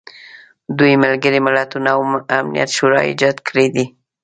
دوی ملګري ملتونه او امنیت شورا ایجاد کړي دي.